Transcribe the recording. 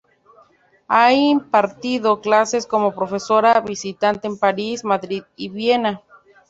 Ha impartido clases como profesora visitante en París, Madrid y Viena.